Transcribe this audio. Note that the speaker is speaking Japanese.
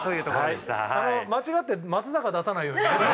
間違って松坂出さないように。